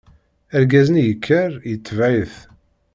Argaz-nni yekker, itebɛ-it.